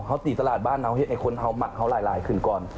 เค้าตีตลาดบ้านเค้าเห็นไอ้คนเค้ามักเค้าหลายคืนก่อน